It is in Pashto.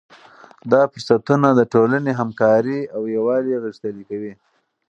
دا فرصتونه د ټولنې همکاري او یووالی غښتلی کوي.